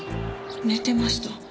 寝てました。